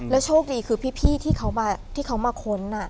แล้วโชคดีที่พี่ที่เขามาค้น